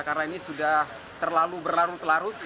karena ini sudah terlalu berlarut larut